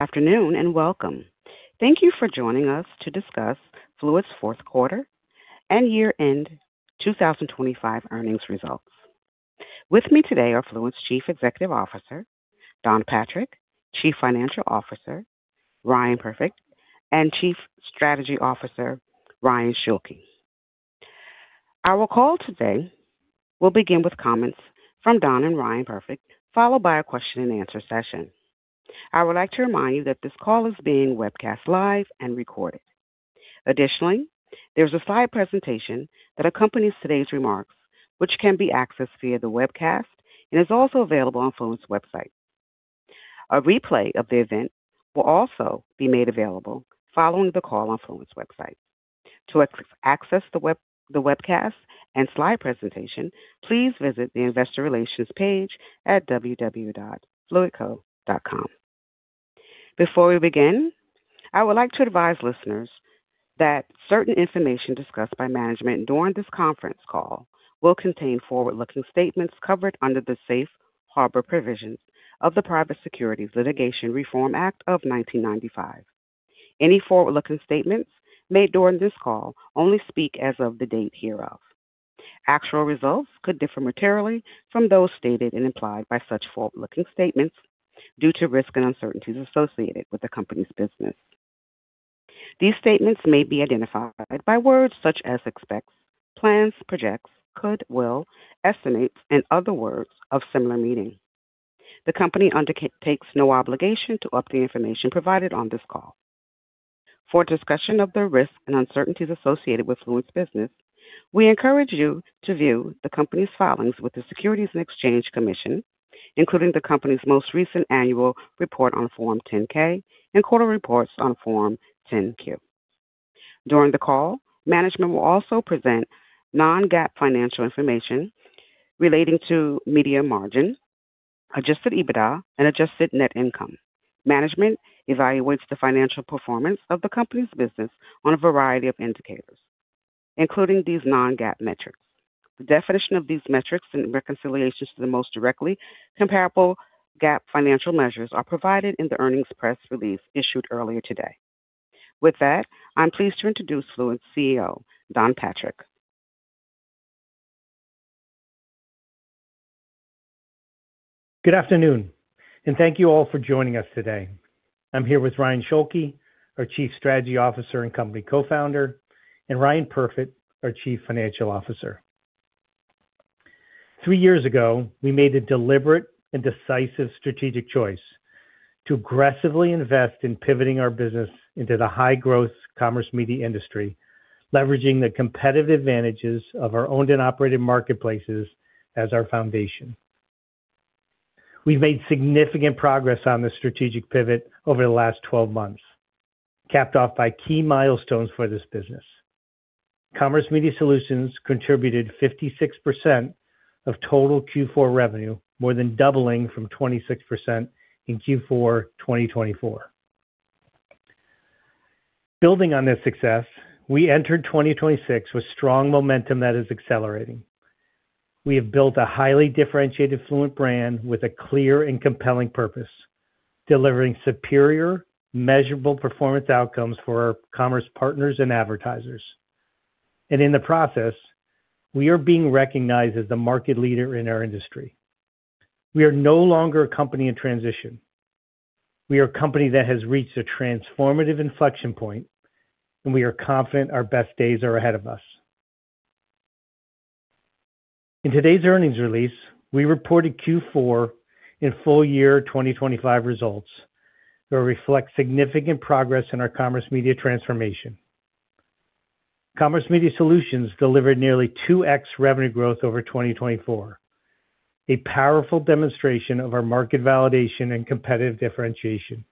Afternoon and welcome. Thank you for joining us to discuss Fluent's fourth quarter and year-end 2025 earnings results. With me today are Fluent's Chief Executive Officer, Don Patrick, Chief Financial Officer, Ryan Perfit and Chief Strategy Officer, Ryan Schulke. Our call today will begin with comments from Don and Ryan Perfit, followed by a question-and-answer session. I would like to remind you that this call is being webcast live and recorded. Additionally, there's a slide presentation that accompanies today's remarks, which can be accessed via the webcast and is also available on Fluent's website. A replay of the event will also be made available following the call on Fluent's website. To access the webcast and slide presentation, please visit the investor relations page at www.fluentco.com. Before we begin, I would like to advise listeners that certain information discussed by management during this conference call will contain forward-looking statements covered under the Safe Harbor Provisions of the Private Securities Litigation Reform Act of 1995. Any forward-looking statements made during this call only speak as of the date hereof. Actual results could differ materially from those stated and implied by such forward-looking statements due to risks and uncertainties associated with the company's business. These statements may be identified by words such as expects, plans, projects, could will estimates and other words of similar meaning. The company undertakes no obligation to update information provided on this call. For discussion of the risks and uncertainties associated with Fluent's business, we encourage you to view the company's filings with the Securities and Exchange Commission, including the company's most recent annual report on Form 10-K and quarter reports on Form 10-Q. During the call, management will also present non-GAAP financial information relating to media margin, adjusted EBITDA and adjusted net income. Management evaluates the financial performance of the company's business on a variety of indicators, including these non-GAAP metrics. The definition of these metrics and reconciliations to the most directly comparable GAAP financial measures are provided in the earnings press release issued earlier today. With that, I'm pleased to introduce Fluent's CEO, Don Patrick. Good afternoon, thank you all for joining us today. I'm here with Ryan Schulke, our Chief Strategy Officer and company co-founder and Ryan Perfit, our Chief Financial Officer. Three years ago, we made a deliberate and decisive strategic choice to aggressively invest in pivoting our business into the high-growth Commerce Media industry, leveraging the competitive advantages of our owned and operated marketplaces as our foundation. We've made significant progress on this strategic pivot over the last 12 months, capped off by key milestones for this business. Commerce Media Solutions contributed 56% of total Q4 revenue, more than doubling from 26% in Q4 2024. Building on this success, we entered 2026 with strong momentum that is accelerating. We have built a highly differentiated Fluent brand with a clear and compelling purpose, delivering superior measurable performance outcomes for our commerce partners and advertisers. In the process, we are being recognized as the market leader in our industry. We are no longer a company in transition. We are a company that has reached a transformative inflection point and we are confident our best days are ahead of us. In today's earnings release, we reported Q4 and full year 2025 results that reflect significant progress in our Commerce Media transformation. Commerce Media Solutions delivered nearly 2x revenue growth over 2024, a powerful demonstration of our market validation and competitive differentiation.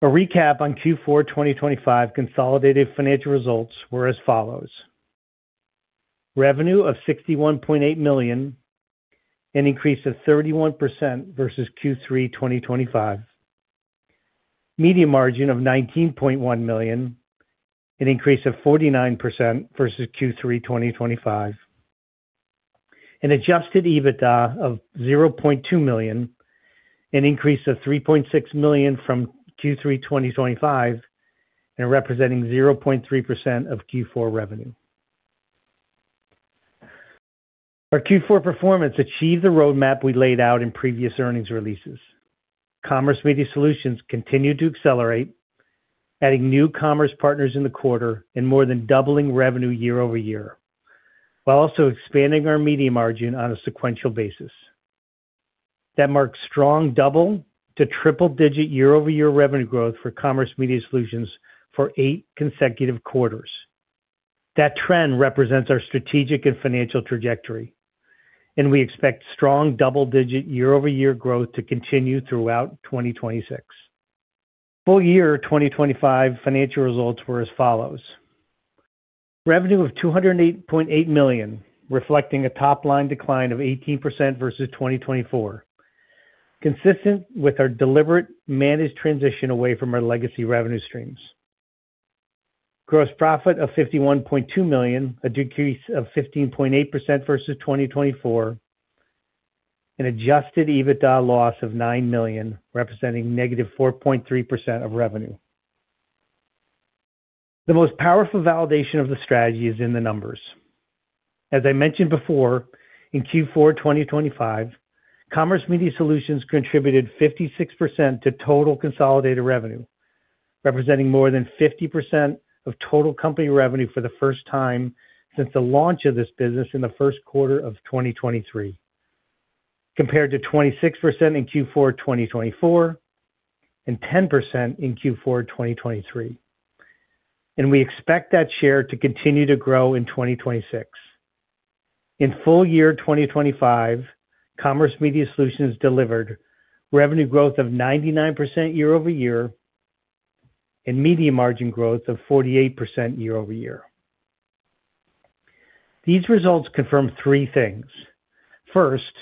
A recap on Q4 2025 consolidated financial results were as follows: revenue of $61.8 million, an increase of 31% versus Q3 2025. Media margin of $19.1 million, an increase of 49% versus Q3 2025. An adjusted EBITDA of $0.2 million, an increase of $3.6 million from Q3 2025 and representing 0.3% of Q4 revenue. Our Q4 performance achieved the roadmap we laid out in previous earnings releases. Commerce Media Solutions continued to accelerate, adding new commerce partners in the quarter and more than doubling revenue year-over-year, while also expanding our media margin on a sequential basis. That marks strong double to triple-digit year-over-year revenue growth for Commerce Media Solutions for eight consecutive quarters. That trend represents our strategic and financial trajectory and we expect strong double-digit year-over-year growth to continue throughout 2026. Full year 2025 financial results were as follows: revenue of $208.8 million, reflecting a top-line decline of 18% versus 2024, consistent with our deliberate managed transition away from our legacy revenue streams. Gross profit of $51.2 million, a decrease of 15.8% versus 2024. An adjusted EBITDA loss of $9 million, representing -4.3% of revenue. The most powerful validation of the strategy is in the numbers. As I mentioned before, in Q4 2025, Commerce Media Solutions contributed 56% to total consolidated revenue, representing more than 50% of total company revenue for the first time since the launch of this business in the first quarter of 2023, compared to 26% in Q4 2024 and 10% in Q4 2023. We expect that share to continue to grow in 2026. In full year 2025, Commerce Media Solutions delivered revenue growth of 99% year-over-year and media margin growth of 48% year-over-year. These results confirm three things. First,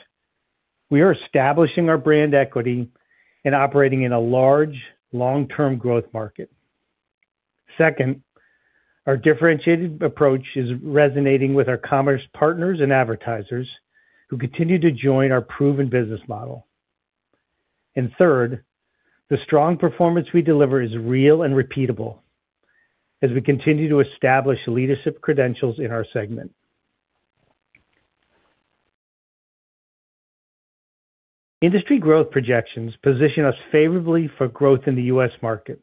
we are establishing our brand equity and operating in a large long-term growth market. Second, our differentiated approach is resonating with our commerce partners and advertisers who continue to join our proven business model. Third, the strong performance we deliver is real and repeatable as we continue to establish leadership credentials in our segment. Industry growth projections position us favorably for growth in the U.S. market.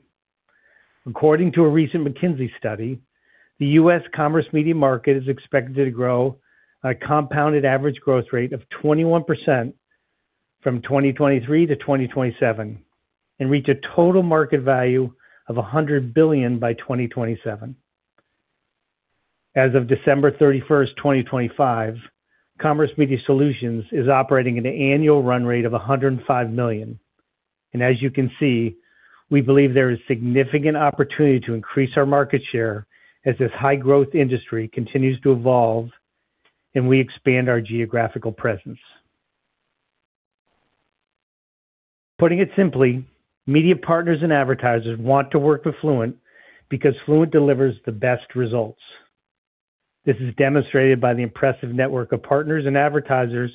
According to a recent McKinsey study, the U.S. Commerce Media market is expected to grow at a compounded average growth rate of 21% from 2023 to 2027 and reach a total market value of $100 billion by 2027. As of 31 December 2025, Commerce Media Solutions is operating at an annual run rate of $105 million. As you can see, we believe there is significant opportunity to increase our market share as this high growth industry continues to evolve and we expand our geographical presence. Putting it simply, media partners and advertisers want to work with Fluent because Fluent delivers the best results. This is demonstrated by the impressive network of partners and advertisers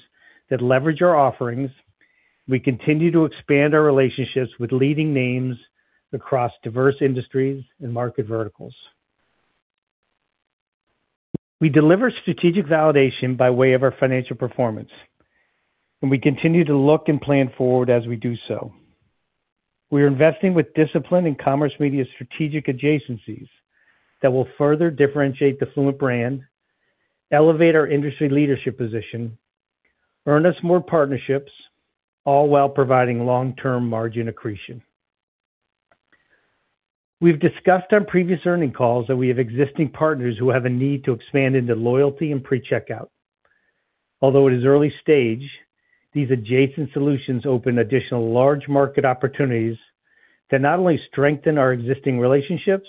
that leverage our offerings. We continue to expand our relationships with leading names across diverse industries and market verticals. We deliver strategic validation by way of our financial performance. We continue to look and plan forward as we do so. We are investing with discipline in Commerce Media strategic adjacencies that will further differentiate the Fluent brand, elevate our industry leadership position, earn us more partnerships, all while providing long-term margin accretion. We've discussed on previous earnings calls that we have existing partners who have a need to expand into loyalty and pre-checkout. Although it is early stage, these adjacent solutions open additional large market opportunities that not only strengthen our existing relationships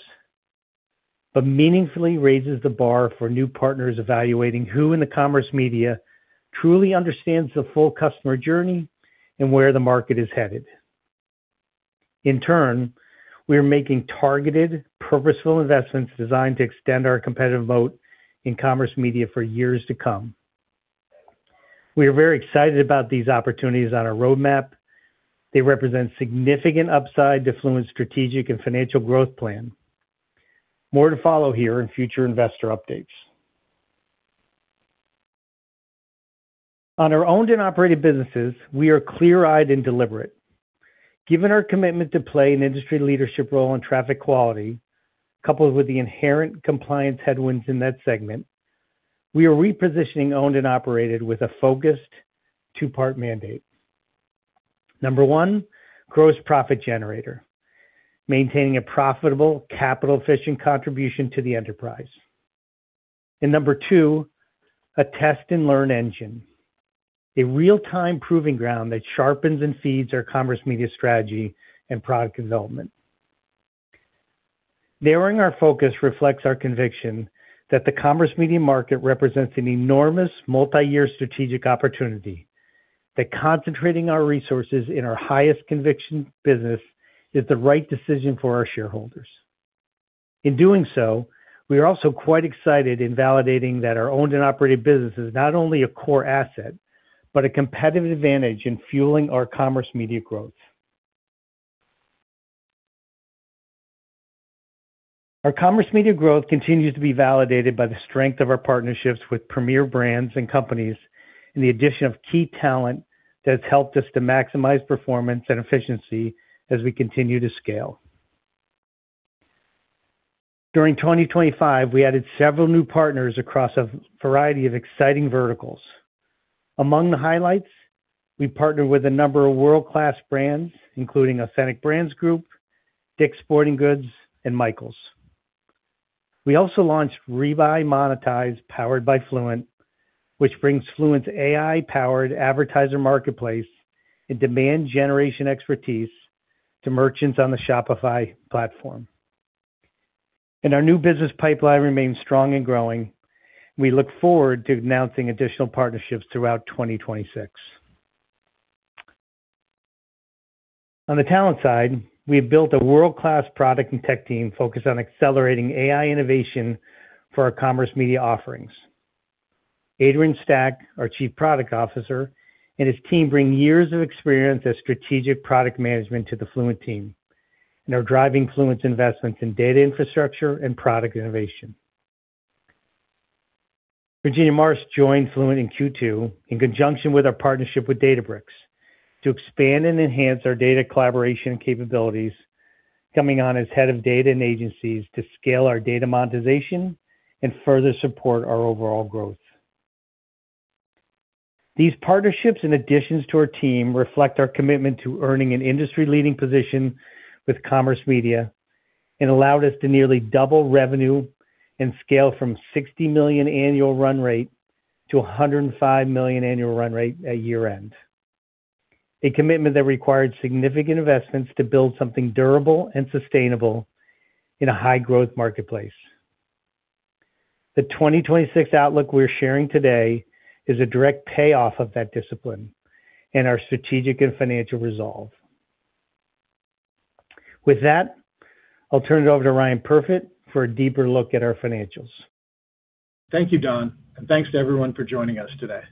but meaningfully raises the bar for new partners evaluating who in the Commerce Media truly understands the full customer journey and where the market is headed. In turn, we are making targeted, purposeful investments designed to extend our competitive moat in Commerce Media for years to come. We are very excited about these opportunities on our roadmap. They represent significant upside to Fluent's strategic and financial growth plan. More to follow here in future investor updates. On our owned and operated businesses, we are clear-eyed and deliberate. Given our commitment to play an industry leadership role in traffic quality, coupled with the inherent compliance headwinds in that segment, we are repositioning owned and operated with a focused two-part mandate. Number one, gross profit generator, maintaining a profitable capital efficient contribution to the enterprise. Number two, a test and learn engine, a real-time proving ground that sharpens and feeds our Commerce Media strategy and product development. Narrowing our focus reflects our conviction that the Commerce Media market represents an enormous multi-year strategic opportunity, that concentrating our resources in our highest conviction business is the right decision for our shareholders. In doing so, we are also quite excited in validating that our owned and operated business is not only a core asset but a competitive advantage in fueling our Commerce Media growth. Our Commerce Media growth continues to be validated by the strength of our partnerships with premier brands and companies and the addition of key talent that has helped us to maximize performance and efficiency as we continue to scale. During 2025, we added several new partners across a variety of exciting verticals. Among the highlights, we partnered with a number of world-class brands, including Authentic Brands Group, DICK'S Sporting Goods and Michaels. We also launched Rebuy Monetize, powered by Fluent, which brings Fluent's AI-powered advertiser marketplace and demand generation expertise to merchants on the Shopify platform. Our new business pipeline remains strong and growing. We look forward to announcing additional partnerships throughout 2026. On the talent side, we have built a world-class product and tech team focused on accelerating AI innovation for our Commerce Media offerings. Adrian Stack, our Chief Product Officer and his team bring years of experience as strategic product management to the Fluent team and are driving Fluent's investments in data infrastructure and product innovation. Virginia Marsh joined Fluent in Q2 in conjunction with our partnership with Databricks to expand and enhance our data collaboration capabilities, coming on as head of data and agencies to scale our data monetization and further support our overall growth. These partnerships and additions to our team reflect our commitment to earning an industry-leading position with Commerce Media and allowed us to nearly double revenue and scale from $60 million annual run rate to $105 million annual run rate at year-end. A commitment that required significant investments to build something durable and sustainable in a high-growth marketplace. The 2026 outlook we're sharing today is a direct payoff of that discipline and our strategic and financial resolve. With that, I'll turn it over to Ryan Perfit for a deeper look at our financials. Thank you, Don and thanks to everyone for joining us today.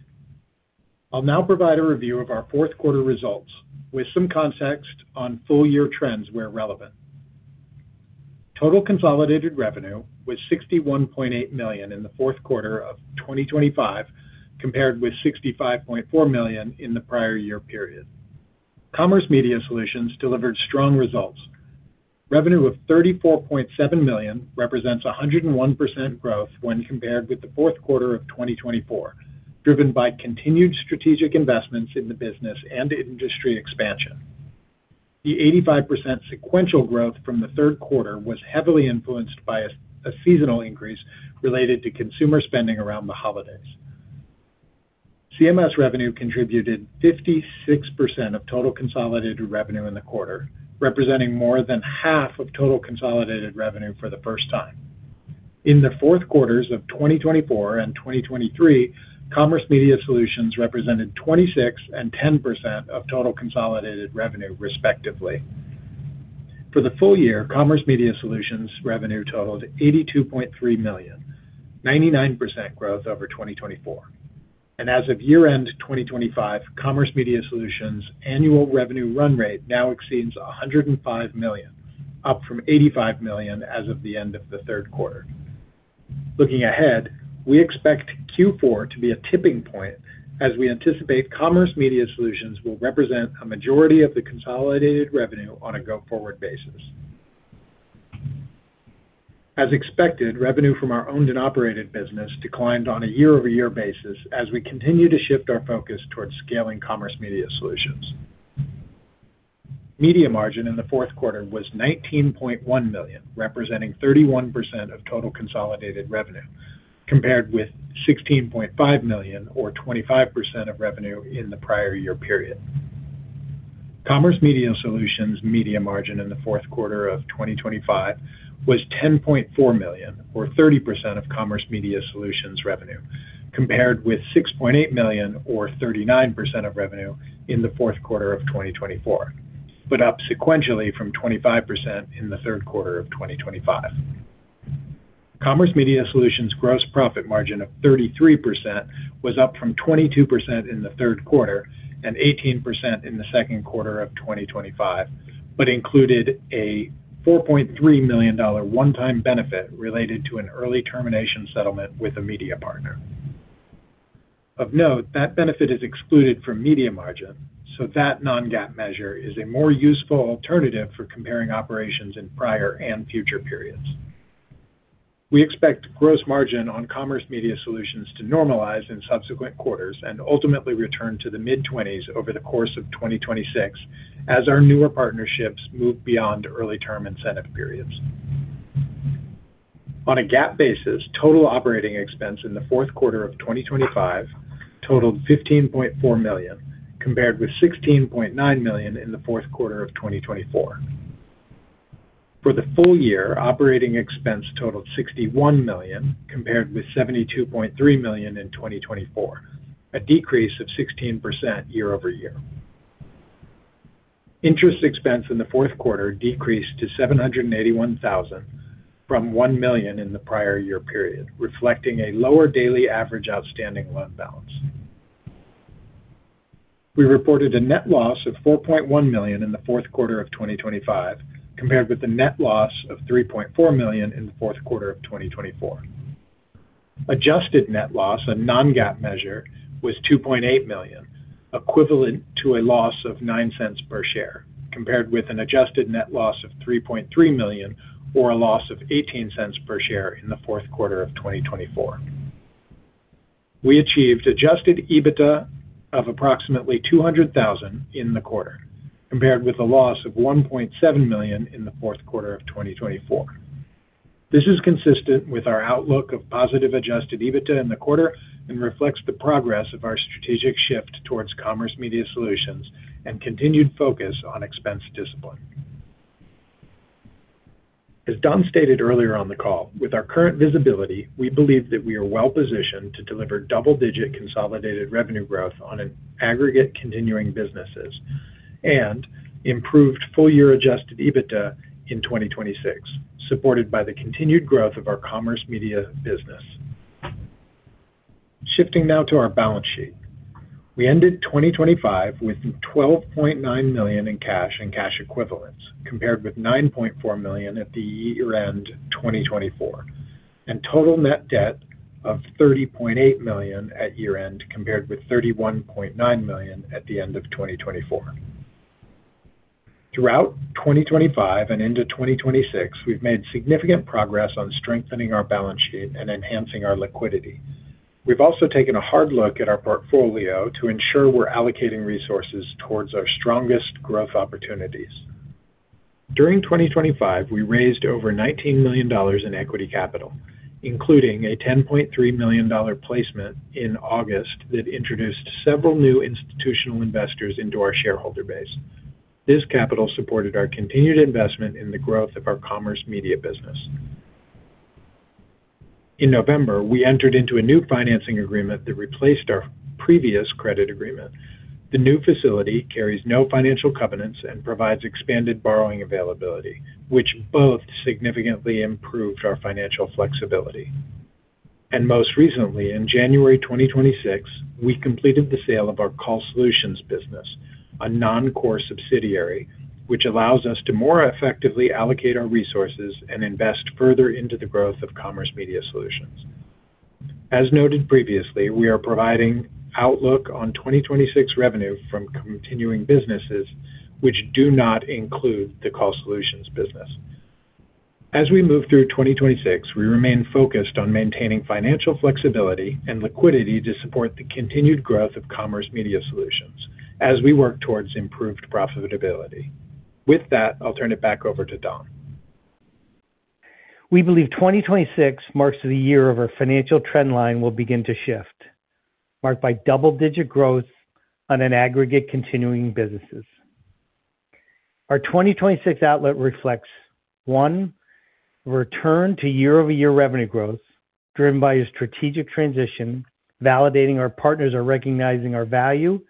I'll now provide a review of our fourth quarter results with some context on full-year trends where relevant. Total consolidated revenue was $61.8 million in the fourth quarter of 2025, compared with $65.4 million in the prior year period. Commerce Media Solutions delivered strong results. Revenue of $34.7 million represents 101% growth when compared with the fourth quarter of 2024, driven by continued strategic investments in the business and industry expansion. The 85% sequential growth from the third quarter was heavily influenced by a seasonal increase related to consumer spending around the holidays. CMS revenue contributed 56% of total consolidated revenue in the quarter, representing more than half of total consolidated revenue for the first time. In the 4th quarters of 2024 and 2023, Commerce Media Solutions represented 26% and 10% of total consolidated revenue, respectively. For the full year, Commerce Media Solutions revenue totaled $82.3 million, 99% growth over 2024. As of year-end 2025, Commerce Media Solutions annual revenue run rate now exceeds $105 million, up from $85 million as of the end of the 3rd quarter. Looking ahead, we expect Q4 to be a tipping point as we anticipate Commerce Media Solutions will represent a majority of the consolidated revenue on a go-forward basis. As expected, revenue from our owned and operated business declined on a year-over-year basis as we continue to shift our focus towards scaling Commerce Media Solutions. Media margin in the fourth quarter was $19.1 million, representing 31% of total consolidated revenue, compared with $16.5 million or 25% of revenue in the prior year period. Commerce Media Solutions media margin in the fourth quarter of 2025 was $10.4 million or 30% of Commerce Media Solutions revenue, compared with $6.8 million or 39% of revenue in the fourth quarter of 2024, up sequentially from 25% in the third quarter of 2025. Commerce Media Solutions gross profit margin of 33% was up from 22% in the third quarter and 18% in the second quarter of 2025, included a $4.3 million one-time benefit related to an early termination settlement with a media partner. Of note, that benefit is excluded from media margin, so that non-GAAP measure is a more useful alternative for comparing operations in prior and future periods. We expect gross margin on Commerce Media Solutions to normalize in subsequent quarters and ultimately return to the mid-twenties over the course of 2026 as our newer partnerships move beyond early term incentive periods. On a GAAP basis, total operating expense in the fourth quarter of 2025 totaled $15.4 million, compared with $16.9 million in the fourth quarter of 2024. For the full year, operating expense totaled $61 million compared with $72.3 million in 2024, a decrease of 16% year-over-year. Interest expense in the fourth quarter decreased to $781,000 from $1 million in the prior year period, reflecting a lower daily average outstanding loan balance. We reported a net loss of $4.1 million in the fourth quarter of 2025, compared with the net loss of $3.4 million in the fourth quarter of 2024. Adjusted net loss, a non-GAAP measure, was $2.8 million, equivalent to a loss of $0.09 per share, compared with an adjusted net loss of $3.3 million or a loss of $0.18 per share in the fourth quarter of 2024. We achieved adjusted EBITDA of approximately $200,000 in the quarter, compared with a loss of $1.7 million in the fourth quarter of 2024. This is consistent with our outlook of positive adjusted EBITDA in the quarter and reflects the progress of our strategic shift towards Commerce Media Solutions and continued focus on expense discipline. As Don stated earlier on the call, with our current visibility, we believe that we are well-positioned to deliver double-digit consolidated revenue growth on an aggregate continuing businesses and improved full-year adjusted EBITDA in 2026, supported by the continued growth of our Commerce Media business. Shifting now to our balance sheet. We ended 2025 with $12.9 million in cash and cash equivalents, compared with $9.4 million at the year-end 2024 and total net debt of $30.8 million at year-end, compared with $31.9 million at the end of 2024. Throughout 2025 and into 2026, we've made significant progress on strengthening our balance sheet and enhancing our liquidity. We've also taken a hard look at our portfolio to ensure we're allocating resources towards our strongest growth opportunities. During 2025, we raised over $19 million in equity capital, including a $10.3 million placement in August that introduced several new institutional investors into our shareholder base. This capital supported our continued investment in the growth of our Commerce Media business. In November, we entered into a new financing agreement that replaced our previous credit agreement. The new facility carries no financial covenants and provides expanded borrowing availability, which both significantly improved our financial flexibility. Most recently, in January 2026, we completed the sale of our Call Solutions business, a non-core subsidiary, which allows us to more effectively allocate our resources and invest further into the growth of Commerce Media Solutions. As noted previously, we are providing outlook on 2026 revenue from continuing businesses which do not include the Call Solutions business. As we move through 2026, we remain focused on maintaining financial flexibility and liquidity to support the continued growth of Commerce Media Solutions as we work towards improved profitability. With that, I'll turn it back over to Don. We believe 2026 marks the year of our financial trend line will begin to shift, marked by double-digit growth on an aggregate continuing businesses. Our 2026 outlet reflects, One, return to year-over-year revenue growth driven by a strategic transition, validating our partners are recognizing our value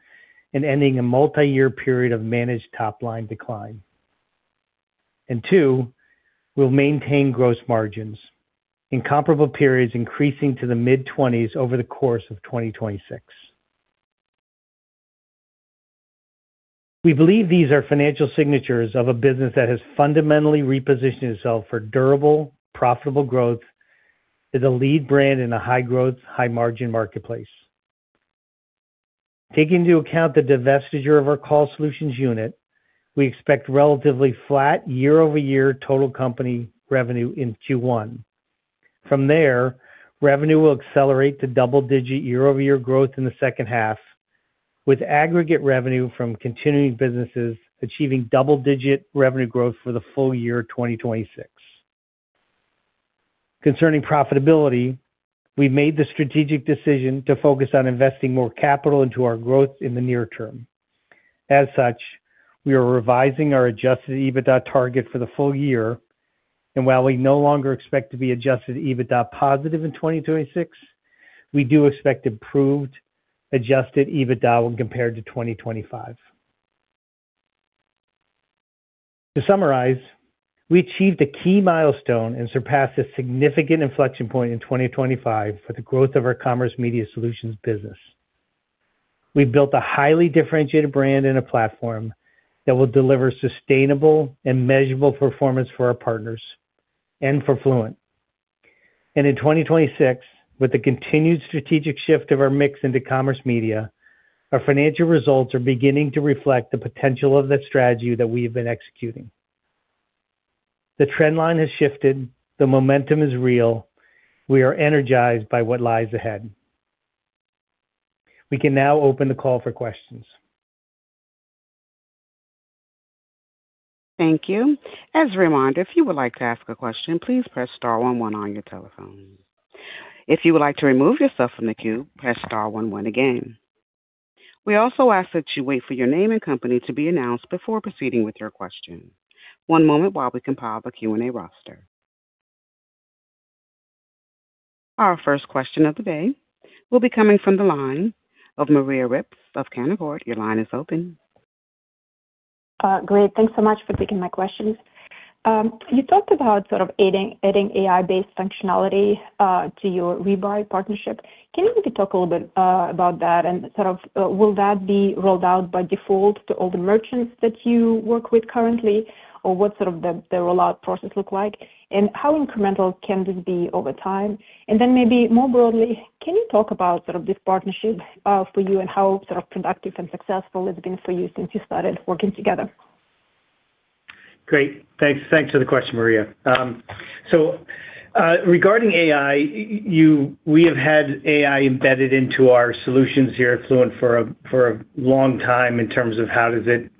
and ending a multi-year period of managed top line decline. Two, we'll maintain gross margins in comparable periods increasing to the mid-20s over the course of 2026. We believe these are financial signatures of a business that has fundamentally repositioned itself for durable, profitable growth as a lead brand in a high-growth, high-margin marketplace. Taking into account the divestiture of our Call Solutions unit, we expect relatively flat year-over-year total company revenue in Q1. From there, revenue will accelerate to double-digit year-over-year growth in the second half, with aggregate revenue from continuing businesses achieving double-digit revenue growth for the full year 2026. Concerning profitability, we've made the strategic decision to focus on investing more capital into our growth in the near term. As such, we are revising our adjusted EBITDA target for the full year. While we no longer expect to be adjusted EBITDA positive in 2026, we do expect improved adjusted EBITDA when compared to 2025. To summarize, we achieved a key milestone and surpassed a significant inflection point in 2025 for the growth of our Commerce Media Solutions business. We've built a highly differentiated brand and a platform that will deliver sustainable and measurable performance for our partners and for Fluent. In 2026, with the continued strategic shift of our mix into Commerce Media, our financial results are beginning to reflect the potential of that strategy that we have been executing. The trend line has shifted. The momentum is real. We are energized by what lies ahead. We can now open the call for questions. Thank you. As a reminder, if you would like to ask a question, please press star one one on your telephone. If you would like to remove yourself from the queue, press star one one again. We also ask that you wait for your name and company to be announced before proceeding with your question. One moment while we compile the Q&A roster. Our first question of the day will be coming from the line of Maria Ripps of Canaccord. Your line is open. Great. Thanks so much for taking my questions. You talked about sort of adding AI-based functionality to your Rebuy partnership. Can you maybe talk a little bit about that and sort of, will that be rolled out by default to all the merchants that you work with currently? Or what sort of the rollout process look like? How incremental can this be over time? Then maybe more broadly, can you talk about sort of this partnership for you and how sort of productive and successful it's been for you since you started working together? Great. Thanks. Thanks for the question, Maria. Regarding AI, we have had AI embedded into our solutions here at Fluent for a, for a long time in terms of how does it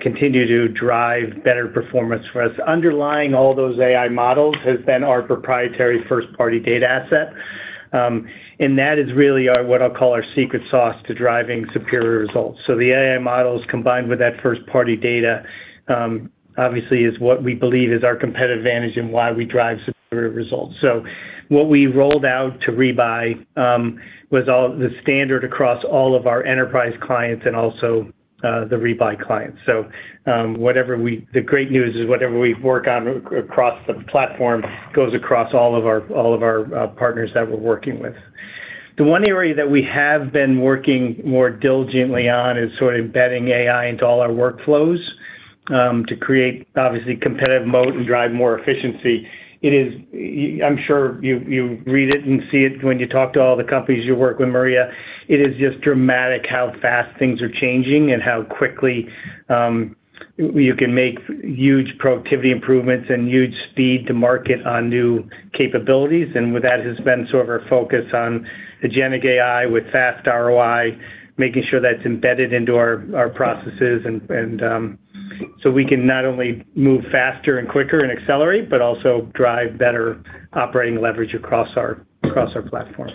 continue to drive better performance for us. Underlying all those AI models has been our proprietary first-party data asset. That is really our, what I'll call our secret sauce to driving superior results. The AI models combined with that first-party data, obviously, is what we believe is our competitive advantage and why we drive superior results. What we rolled out to Rebuy was all the standard across all of our enterprise clients and also, the Rebuy clients. The great news is whatever we work on across the platform goes across all of our partners that we're working with. The one area that we have been working more diligently on is sort of embedding AI into all our workflows, to create, obviously, competitive mode and drive more efficiency. I'm sure you read it and see it when you talk to all the companies you work with, Maria. It is just dramatic how fast things are changing and how quickly you can make huge productivity improvements and huge speed to market on new capabilities. With that has been sort of our focus on agentic AI with fast ROI, making sure that's embedded into our processes and so we can not only move faster and quicker and accelerate but also drive better operating leverage across our platform.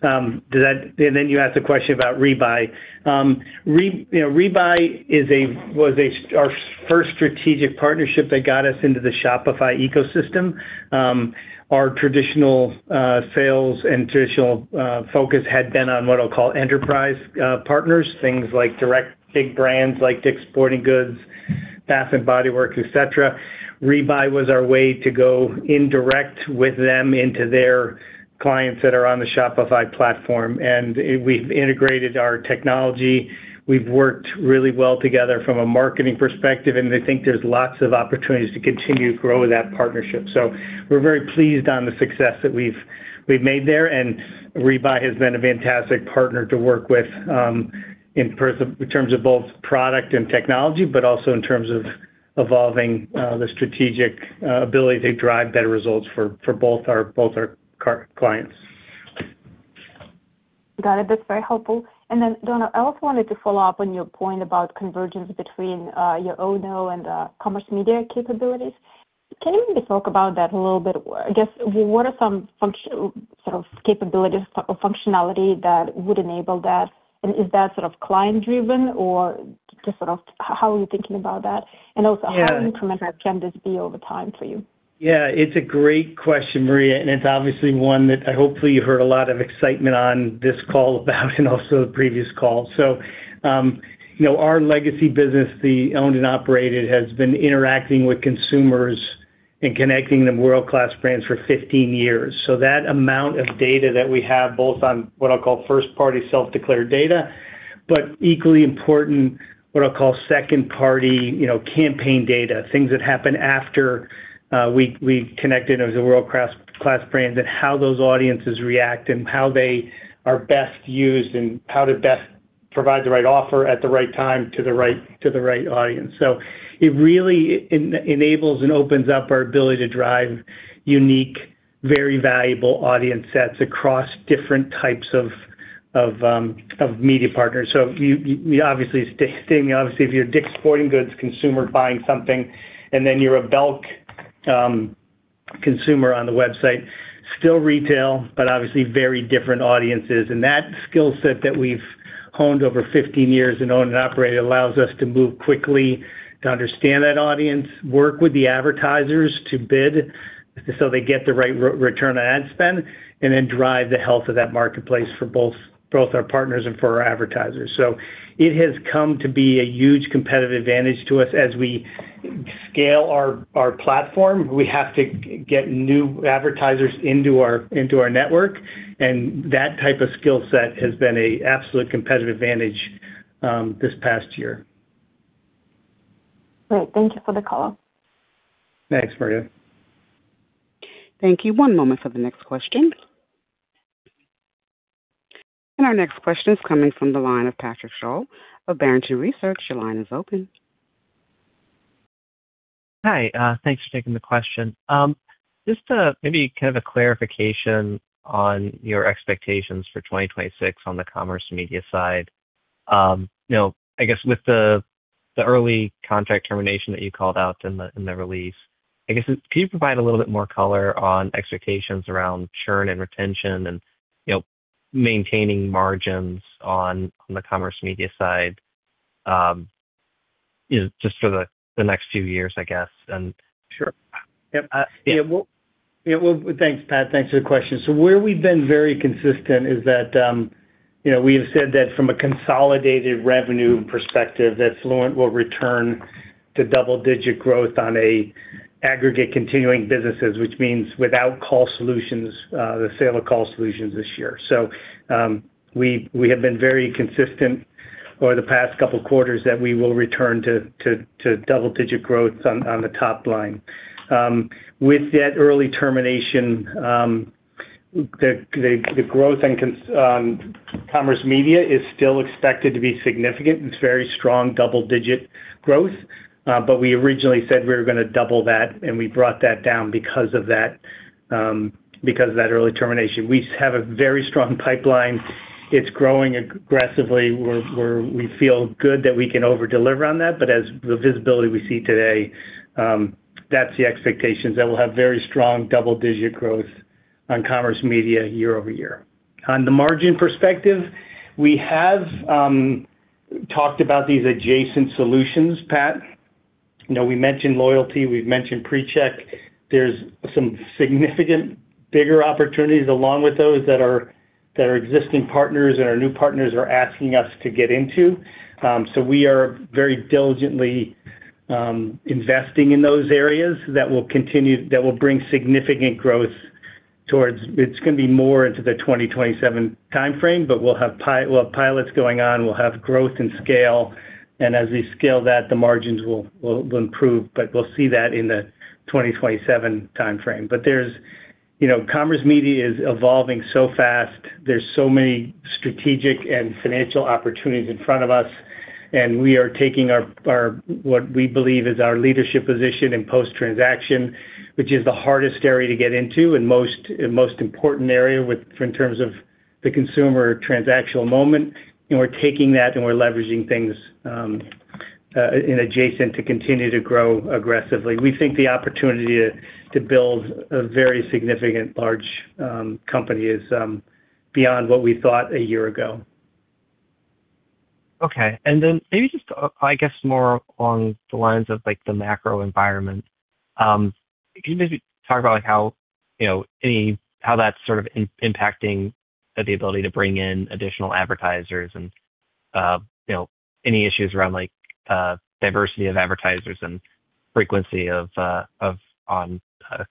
Then you asked a question about Rebuy. You know, Rebuy was our first strategic partnership that got us into the Shopify ecosystem. Our traditional sales and traditional focus had been on what I'll call enterprise partners, things like direct big brands like DICK'S Sporting Goods, Bath & Body Works, et cetera. Rebuy was our way to go indirect with them into their clients that are on the Shopify platform. We've integrated our technology. We've worked really well together from a marketing perspective, I think there's lots of opportunities to continue to grow that partnership. We're very pleased on the success that we've made there. Rebuy has been a fantastic partner to work with in terms of both product and technology but also in terms of evolving the strategic ability to drive better results for both our clients. Got it. That's very helpful. Don, I also wanted to follow up on your point about convergence between your ONO and Commerce Media capabilities. Can you maybe talk about that a little bit? I guess, what are some sort of capabilities or functionality that would enable that? Is that sort of client-driven or just sort of how are you thinking about that? How incremental can this be over time for you? It's a great question, Maria and it's obviously one that hopefully you heard a lot of excitement on this call about and also the previous call. you know, our legacy business, the owned and operated, has been interacting with consumers and connecting them world-class brands for 15 years. That amount of data that we have both on, what I'll call first-party self-declared data but equally important, what I'll call second-party, you know, campaign data, things that happen after we connected as a world-class brand and how those audiences react and how they are best used and how to best provide the right offer at the right time to the right audience. It really enables and opens up our ability to drive unique, very valuable audience sets across different types of media partners. You obviously, staying obviously, if you're a DICK'S Sporting Goods consumer buying something and then you're a Belk consumer on the website, still retail but obviously very different audiences. That skill set that we've honed over 15 years in owned and operated allows us to move quickly to understand that audience, work with the advertisers to bid so they get the right return on ad spend and then drive the health of that marketplace for both our partners and for our advertisers. It has come to be a huge competitive advantage to us as we scale our platform. We have to get new advertisers into our network. That type of skill set has been an absolute competitive advantage this past year. Great. Thank you for the call. Thanks, Maria. Thank you. One moment for the next question. Our next question is coming from the line of Patrick Sholl of Barrington Research. Your line is open. Hi. Thanks for taking the question. Just a maybe kind of a clarification on your expectations for 2026 on the Commerce Media side. You know, I guess with the early contract termination that you called out in the release, I guess, can you provide a little bit more color on expectations around churn and retention and, you know, maintaining margins on the Commerce Media side, you know, just for the next few years, I guess? Sure. Yep. Thanks, Pat. Thanks for the question. Where we've been very consistent is that, you know, we have said that from a consolidated revenue perspective, that Fluent will return to double-digit growth on aggregate continuing businesses, which means without Call Solutions, the sale of Call Solutions this year. We have been very consistent over the past couple quarters that we will return to double-digit growth on the top line. With that early termination, the growth in Commerce Media is still expected to be significant. It's very strong double-digit growth. We originally said we were gonna double that and we brought that down because of that, because of that early termination. We have a very strong pipeline. It's growing aggressively. We feel good that we can over-deliver on that. As the visibility we see today, that's the expectations that we'll have very strong double-digit growth on Commerce Media year over year. On the margin perspective, we have talked about these adjacent solutions, Patrick. You know, we mentioned loyalty, we've mentioned pre-check. There's some significant bigger opportunities along with those that are existing partners and our new partners are asking us to get into. We are very diligently investing in those areas that will bring significant growth. It's gonna be more into the 2027 timeframe but we'll have pilots going on, we'll have growth and scale. As we scale that, the margins will improve. We'll see that in the 2027 timeframe. There's, you know, commerce media is evolving so fast. There's so many strategic and financial opportunities in front of us. We are taking our what we believe is our leadership position in post-transaction, which is the hardest area to get into and most important area with, in terms of the consumer transactional moment. We're taking that and we're leveraging things in adjacent to continue to grow aggressively. We think the opportunity to build a very significant large company is beyond what we thought a year ago. Okay. Maybe just, I guess, more along the lines of like the macro environment. Can you maybe talk about like how, you know, any how that's sort of impacting the ability to bring in additional advertisers and, you know, any issues around like, diversity of advertisers and frequency of, on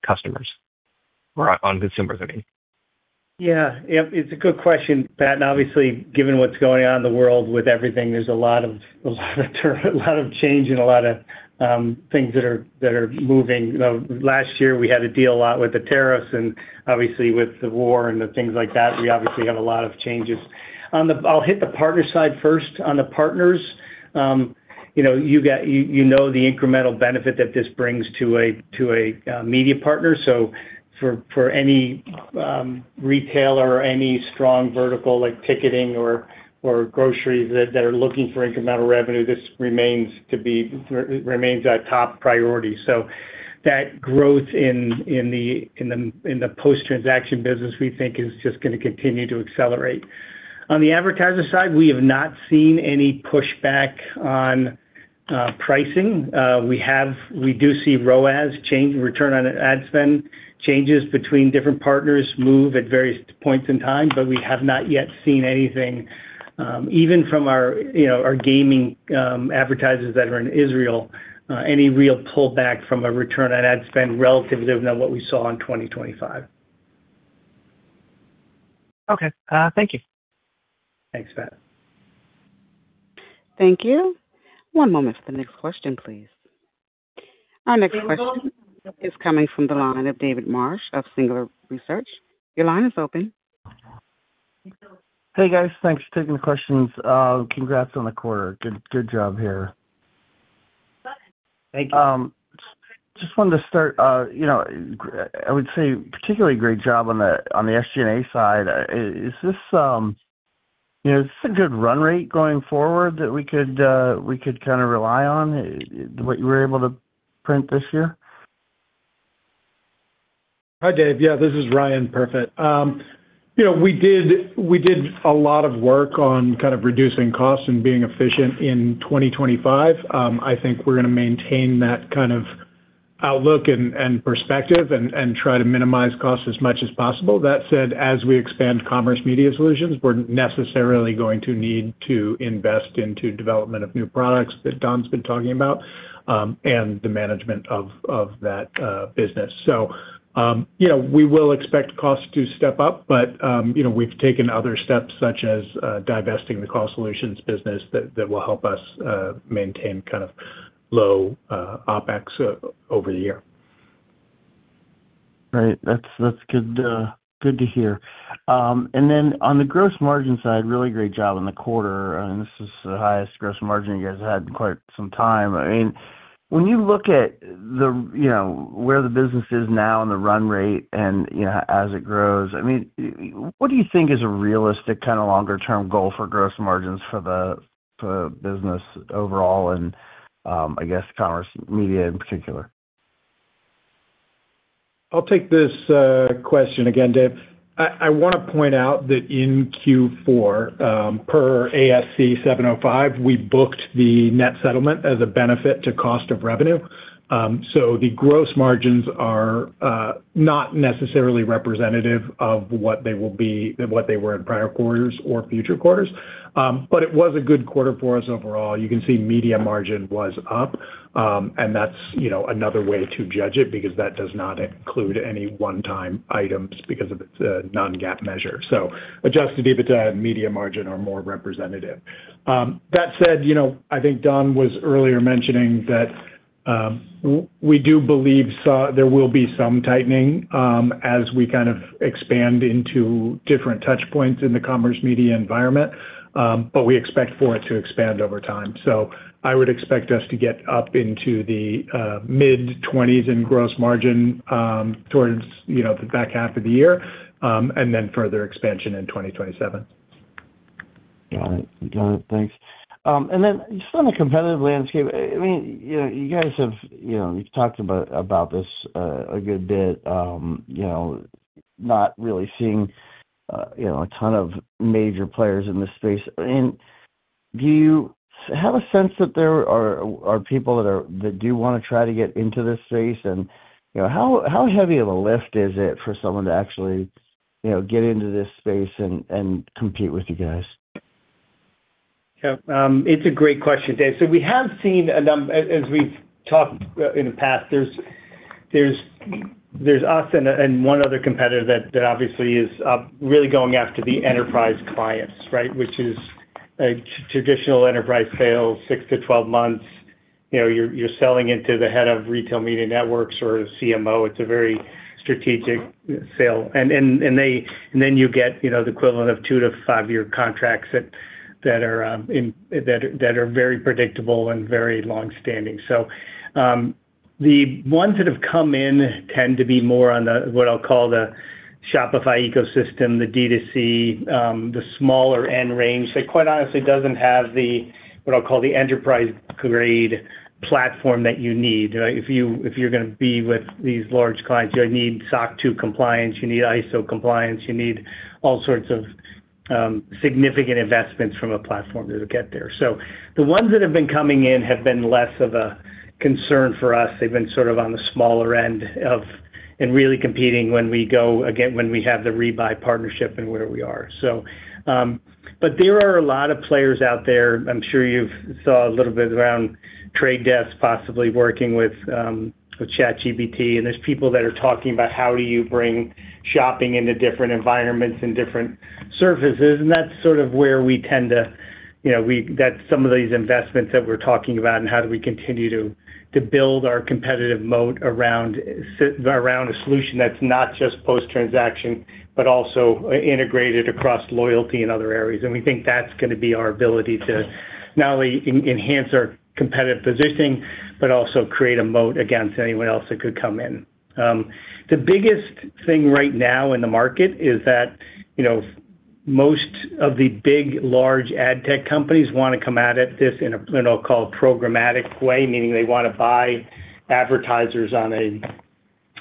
customers or consumers, I mean. Yeah. It's a good question, Pat. Obviously, given what's going on in the world with everything, there's a lot of change and a lot of things that are moving. Last year, we had to deal a lot with the tariffs and obviously with the war and the things like that, we obviously have a lot of changes. I'll hit the partner side first. On the partners, you know, you know the incremental benefit that this brings to a media partner. For any retailer or any strong vertical like ticketing or groceries that are looking for incremental revenue, this remains our top priority. That growth in the post-transaction business, we think is just gonna continue to accelerate. On the advertiser side, we have not seen any pushback on pricing. We do see ROAS change, return on ad spend changes between different partners move at various points in time but we have not yet seen anything, even from our, you know, our gaming advertisers that are in Israel, any real pullback from a return on ad spend relative to what we saw in 2025. Okay. thank you. Thanks, Pat. Thank you. One moment for the next question, please. Our next question is coming from the line of David Marsh of Singular Research. Your line is open. Hey, guys. Thanks for taking the questions. Congrats on the quarter. Good job here. Thank you. Just wanted to start, you know, I would say particularly great job on the SG&A side. Is this, you know, is this a good run rate going forward that we could, we could kind of rely on, what you were able to print this year? Hi, Dave. Yeah, this is Ryan Perfit. You know, we did a lot of work on kind of reducing costs and being efficient in 2025. I think we're gonna maintain that kind of outlook and perspective and try to minimize costs as much as possible. That said, as we expand Commerce Media Solutions, we're necessarily going to need to invest into development of new products that Don's been talking about and the management of that business. You know, we will expect costs to step up, you know, we've taken other steps such as divesting the Call Solutions business that will help us maintain kind of low OpEx over the year. Right. That's, that's good to hear. On the gross margin side, really great job in the quarter. This is the highest gross margin you guys had in quite some time. I mean, when you look at the, you know, where the business is now and the run rate and, you know, as it grows, I mean, what do you think is a realistic kind of longer term goal for gross margins for the, for the business overall and, I guess, Commerce Media in particular? I'll take this question again, Dave. I wanna point out that in Q4, per ASC 705, we booked the net settlement as a benefit to cost of revenue. The gross margins are not necessarily representative of what they were in prior quarters or future quarters. It was a good quarter for us overall. You can see media margin was up and that's, you know, another way to judge it because that does not include any one-time items because of its non-GAAP measure. Adjusted EBITDA and media margin are more representative. That said, you know, I think Don was earlier mentioning that we do believe there will be some tightening, as we kind of expand into different touch points in the commerce media environment but we expect for it to expand over time. I would expect us to get up into the mid-20s% in gross margin towards, you know, the back half of the year and then further expansion in 2027. Got it. Got it. Thanks. Then just on the competitive landscape, I mean, you know, you guys have, you know, you've talked about this, a good bit, you know, not really seeing, you know, a ton of major players in this space. I mean, do you have a sense that there are people that do wanna try to get into this space? You know, how heavy of a lift is it for someone to actually, you know, get into this space and compete with you guys? Yeah. It's a great question, Dave. We have seen as we've talked in the past, there's us and one other competitor that obviously is really going after the enterprise clients, right? Which is a traditional enterprise sale, six-12 months. You know, you're selling it to the head of retail media networks or CMO. It's a very strategic sale. Then you get, you know, the equivalent of two-five year contracts that are very predictable and very long-standing. The ones that have come in tend to be more on the, what I'll call the Shopify ecosystem, the D2C, the smaller end range that quite honestly doesn't have the, what I'll call the enterprise-grade platform that you need, right? If you, if you're gonna be with these large clients, you need SOC 2 compliance, you need ISO compliance, you need all sorts of significant investments from a platform to get there. The ones that have been coming in have been less of a concern for us. They've been sort of on the smaller end of and really competing when we go again, when we have the Rebuy partnership and where we are. There are a lot of players out there. I'm sure you've saw a little bit around The Trade Desk possibly working with ChatGPT. There's people that are talking about how do you bring shopping into different environments and different services and that's sort of where we tend to, you know, that some of these investments that we're talking about and how do we continue to build our competitive moat around a solution that's not just post-transaction but also integrated across loyalty and other areas. We think that's gonna be our ability to not only enhance our competitive positioning but also create a moat against anyone else that could come in. The biggest thing right now in the market is that, you know, most of the big, large ad tech companies wanna come at it, this in a what I'll call programmatic way, meaning they wanna buy advertisers on a,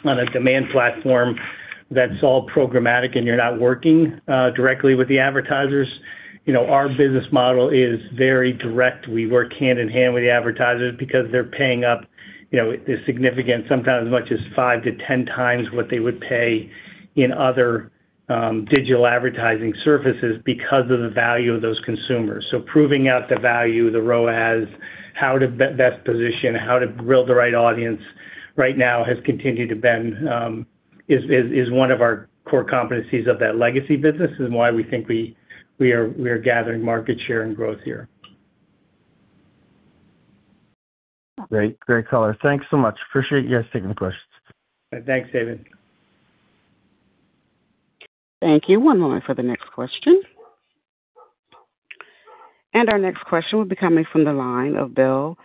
on a demand platform that's all programmatic and you're not working directly with the advertisers. You know, our business model is very direct. We work hand in hand with the advertisers because they're paying up, you know, a significant, sometimes as much as 5 to 10 times what they would pay in other digital advertising services because of the value of those consumers. Proving out the value, the ROAS, how to best position, how to build the right audience right now has continued to been, is one of our core competencies of that legacy business and why we think we are gathering market share and growth here. Great. Great color. Thanks so much. Appreciate you guys taking the questions. Thanks, David. Thank you. One moment for the next question. Our next question will be coming from the line of Bill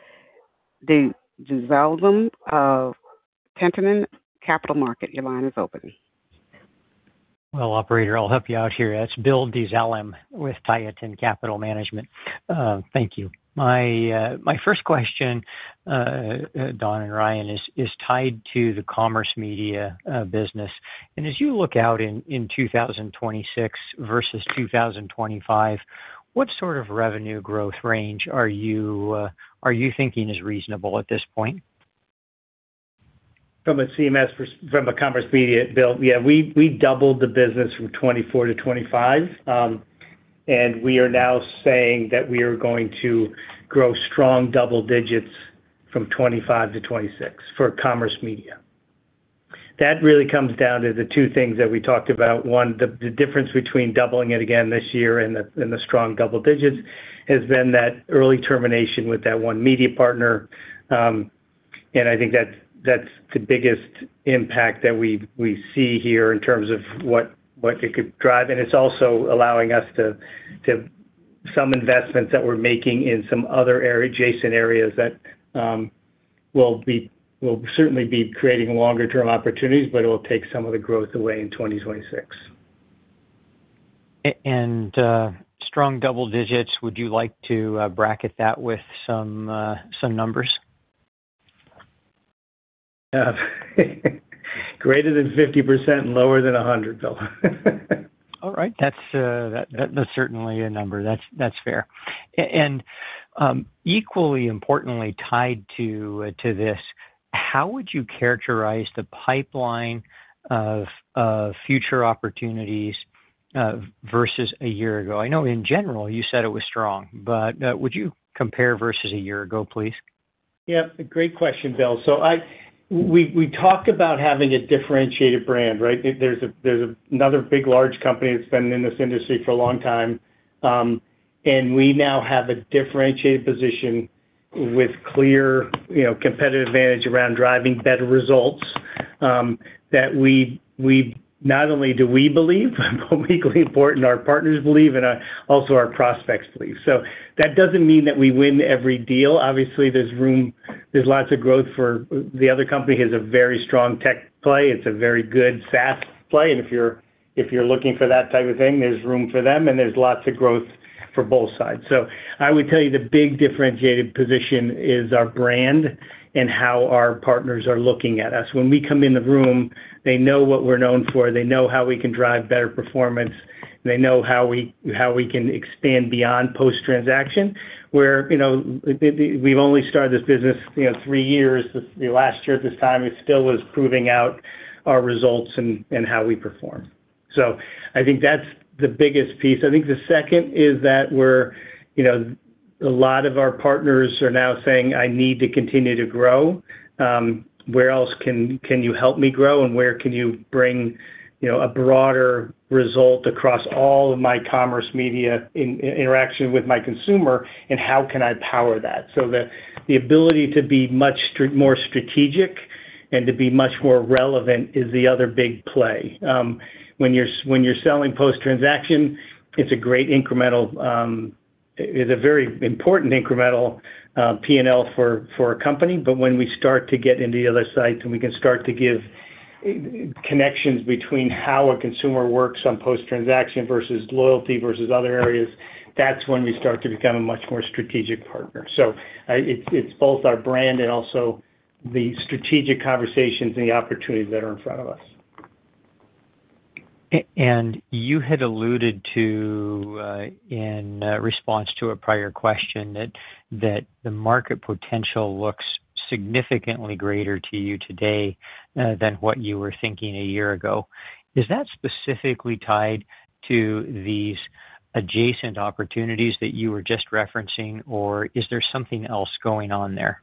Dezellem of Tieton Capital Management. Your line is open. Well, operator, I'll help you out here. It's Bill Dezellem with Tieton Capital Management. Thank you. My first question, Don and Ryan is tied to the Commerce Media business. As you look out in 2026 versus 2025, what sort of revenue growth range are you thinking is reasonable at this point? From a Commerce Media, Bill, yeah we doubled the business from 2024 to 2025. We are now saying that we are going to grow strong double digits from 2025 to 2026 for Commerce Media. That really comes down to the two things that we talked about. One, the difference between doubling it again this year and the strong double digits has been that early termination with that one media partner. I think that's the biggest impact that we see here in terms of what it could drive. It's also allowing us to some investments that we're making in some other area, adjacent areas that will certainly be creating longer term opportunities but it'll take some of the growth away in 2026. Strong double digits, would you like to bracket that with some numbers? Yeah. Greater than 50% and lower than 100, Bill. All right. That's, that's certainly a number. That's, that's fair. Equally importantly tied to this, how would you characterize the pipeline of future opportunities, versus a year ago? I know in general you said it was strong but, would you compare versus a year ago, please? Yeah. Great question, Bill. We talked about having a differentiated brand, right? There's another big large company that's been in this industry for a long time. We now have a differentiated position with clear, you know, competitive advantage around driving better results. That we not only do we believe how equally important our partners believe and also our prospects believe. That doesn't mean that we win every deal. Obviously, there's lots of growth for the other company has a very strong tech play. It's a very good SaaS play. If you're looking for that type of thing, there's room for them and there's lots of growth for both sides. I would tell you the big differentiated position is our brand and how our partners are looking at us. When we come in the room, they know what we're known for, they know how we can drive better performance, they know how we can expand beyond post-transaction, where, you know, we've only started this business, you know, three years. The last year at this time, it still was proving out our results and how we perform. I think that's the biggest piece. I think the second is that we're, you know, a lot of our partners are now saying, "I need to continue to grow. Where else can you help me grow? And where can you bring, you know, a broader result across all of my Commerce Media in interaction with my consumer and how can I power that?" The ability to be much more strategic and to be much more relevant is the other big play. When you're, when you're selling post-transaction, it's a great incremental, it's a very important incremental P&L for a company. When we start to get into the other side and we can start to give connections between how a consumer works on post-transaction versus loyalty versus other areas, that's when we start to become a much more strategic partner. It's, it's both our brand and also the strategic conversations and the opportunities that are in front of us. You had alluded to, in response to a prior question that the market potential looks significantly greater to you today, than what you were thinking a year ago. Is that specifically tied to these adjacent opportunities that you were just referencing, or is there something else going on there?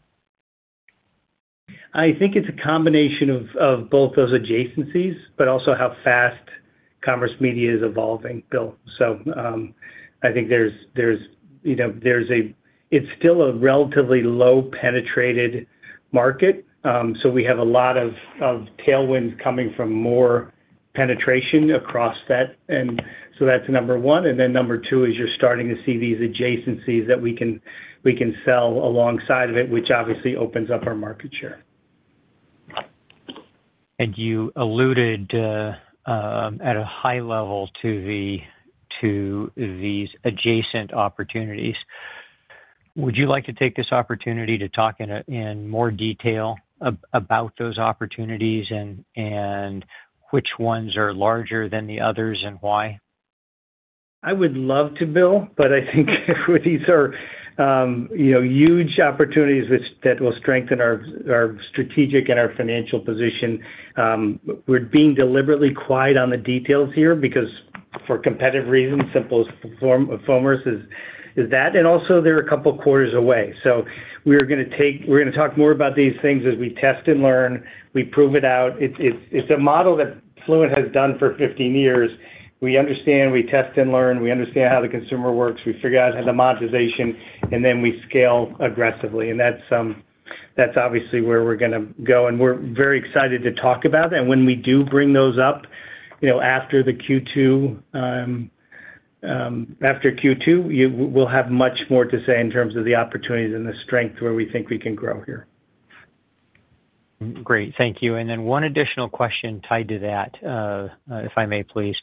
I think it's a combination of both those adjacencies but also how fast Commerce Media is evolving, Bill. I think there's, you know, it's still a relatively low penetrated market, so we have a lot of tailwinds coming from more penetration across that. That's number one. Number two is you're starting to see these adjacencies that we can sell alongside of it, which obviously opens up our market share. You alluded at a high level to these adjacent opportunities. Would you like to take this opportunity to talk in more detail about those opportunities and which ones are larger than the others and why? I would love to Bill but I think these are, you know, huge opportunities that will strengthen our strategic and our financial position. We're being deliberately quiet on the details here because for competitive reasons, simplest form of formers is that. They're a couple of quarters away. We're gonna talk more about these things as we test and learn, we prove it out. It's a model that Fluent has done for 15 years. We understand, we test and learn, we understand how the consumer works, we figure out how the monetization and then we scale aggressively. That's, that's obviously where we're gonna go. We're very excited to talk about that. When we do bring those up, you know, after the Q2, after Q2, we'll have much more to say in terms of the opportunities and the strength where we think we can grow here. Great. Thank you. Then one additional question tied to that, if I may please.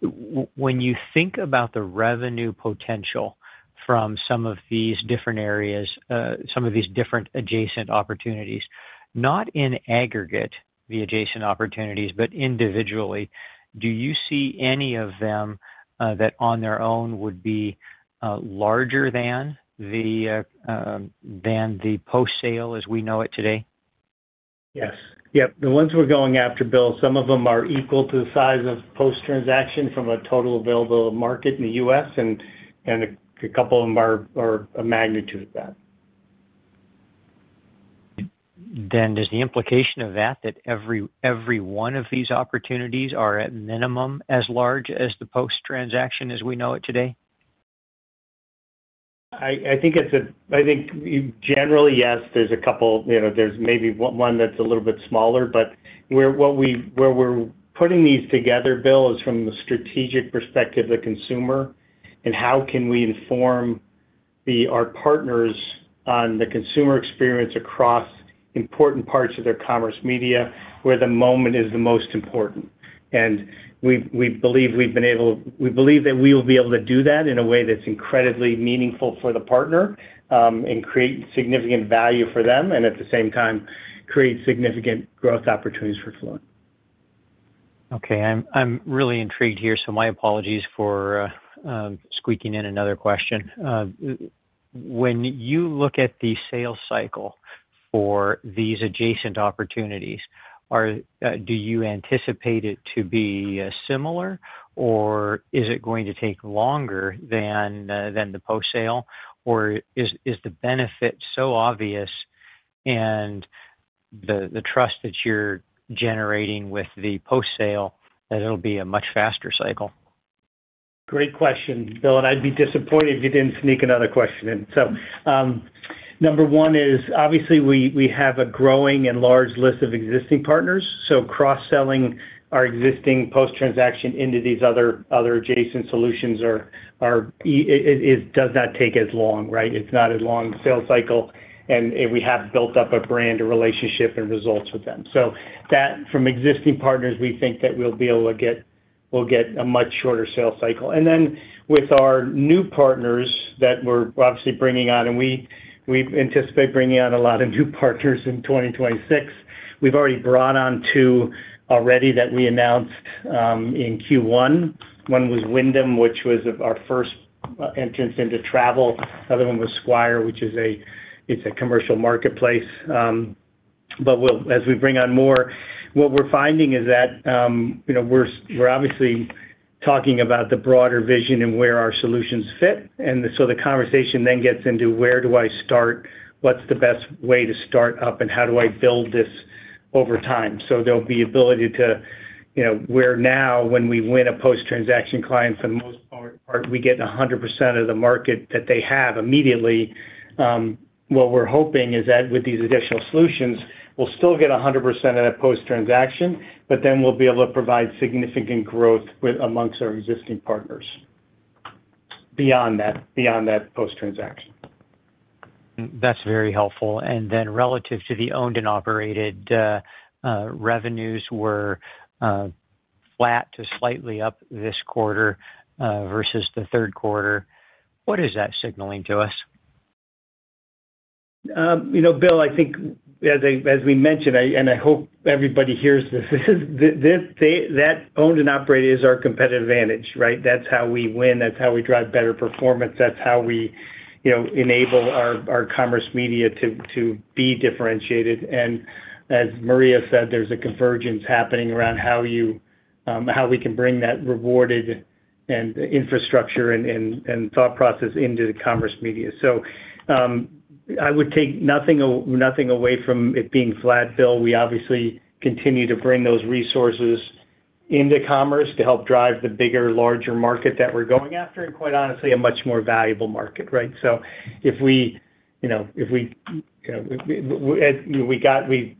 When you think about the revenue potential from some of these different areas, some of these different adjacent opportunities, not in aggregate the adjacent opportunities but individually, do you see any of them, that on their own would be, larger than the, than the post-sale as we know it today? Yes. Yep. The ones we're going after Bill, some of them are equal to the size of post-transaction from a total available market in the U.S. and a couple of them are a magnitude of that. Does the implication of that every one of these opportunities are at minimum as large as the post-transaction as we know it today? I think it's I think generally yes, there's a couple, you know, there's maybe one that's a little bit smaller but where we're putting these together Bill is from the strategic perspective of the consumer and how can we inform our partners on the consumer experience across important parts of their Commerce Media where the moment is the most important. We believe that we will be able to do that in a way that's incredibly meaningful for the partner and create significant value for them and at the same time create significant growth opportunities for Fluent. I'm really intrigued here, so my apologies for squeaking in another question. When you look at the sales cycle for these adjacent opportunities, do you anticipate it to be similar or is it going to take longer than the post-sale? Is the benefit so obvious and the trust that you're generating with the post-sale that it'll be a much faster cycle? Great question, Bill. I'd be disappointed if you didn't sneak another question in. Number one is obviously we have a growing and large list of existing partners. Cross-selling our existing post-transaction into these other adjacent solutions. It does not take as long, right? It's not as long sales cycle, we have built up a brand, a relationship and results with them. That from existing partners, we think that we'll get a much shorter sales cycle. With our new partners that we're obviously bringing on, we anticipate bringing on a lot of new partners in 2026. We've already brought on 2 already that we announced in Q1. One was Wyndham which was our first entrance into travel. The other one was Squire which is a, it's a commercial marketplace. As we bring on more, what we're finding is that, you know, we're obviously talking about the broader vision and where our solutions fit. The conversation then gets into where do I start? What's the best way to start up and how do I build this over time? There'll be ability to, you know, where now when we win a post-transaction clients for the most part, we get 100% of the market that they have immediately. What we're hoping is that with these additional solutions, we'll still get 100% of that post-transaction, then we'll be able to provide significant growth with amongst our existing partners beyond that post-transaction. That's very helpful. Then relative to the owned and operated revenues were flat to slightly up this quarter versus the third quarter. What is that signaling to us? You know Bill, I think as I, as we mentioned and I hope everybody hears this, is this, that owned and operated is our competitive advantage, right? That's how we win. That's how we drive better performance. That's how we, you know, enable our Commerce Media to be differentiated. As Maria said, there's a convergence happening around how you, how we can bring that rewarded and infrastructure and thought process into the Commerce Media. I would take nothing away from it being flat, Bill. We obviously continue to bring those resources into commerce to help drive the bigger, larger market that we're going after and quite honestly, a much more valuable market, right? We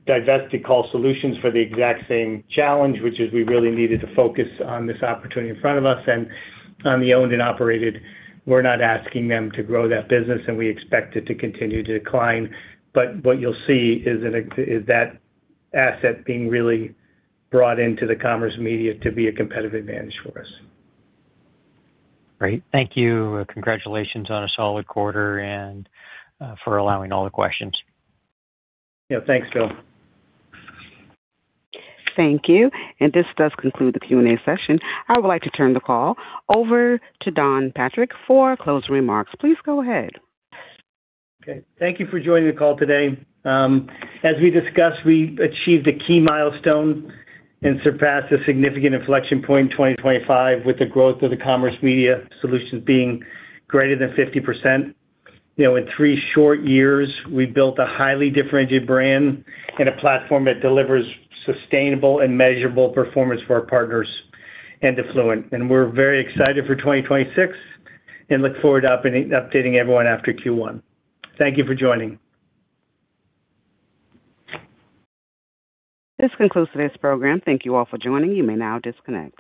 divested Call Solutions for the exact same challenge which is we really needed to focus on this opportunity in front of us and on the owned and operated. We're not asking them to grow that business and we expect it to continue to decline. What you'll see is that asset being really brought into the Commerce Media to be a competitive advantage for us. Great. Thank you. Congratulations on a solid quarter and for allowing all the questions. Yeah, thanks, Bill. Thank you. This does conclude the Q&A session. I would like to turn the call over to Don Patrick for closing remarks. Please go ahead. Okay. Thank you for joining the call today. As we discussed, we achieved a key milestone and surpassed a significant inflection point in 2025 with the growth of the Commerce Media Solutions being greater than 50%. You know, in three short years, we built a highly differentiated brand and a platform that delivers sustainable and measurable performance for our partners and to Fluent. We're very excited for 2026 and look forward to updating everyone after Q1. Thank you for joining. This concludes today's program. Thank you all for joining. You may now disconnect.